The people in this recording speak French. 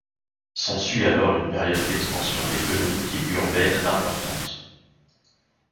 S’ensuit alors une période d’expansion économique et urbaine importante.